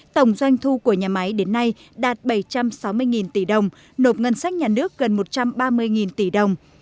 tổng doanh thu của nhà máy đến nay đạt bảy trăm sáu mươi tỷ đồng nộp ngân sách nhà nước gần một trăm ba mươi tỷ đồng